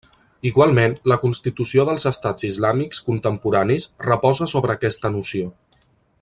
Igualment, la constitució dels estats islàmics contemporanis reposa sobre aquesta noció.